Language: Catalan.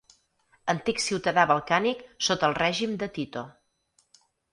Antic ciutadà balcànic sota el règim de Tito.